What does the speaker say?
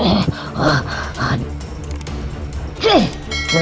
ini dia yang kucari